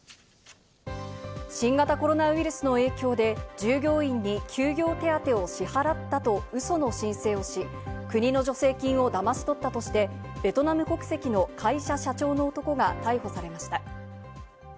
新型コロナウイルスの影響で従業員に休業手当を支払ったとウソの申請をし、国の助成金をだまし取ったとして、ベトナム国籍の会社社長の男が逮捕されました。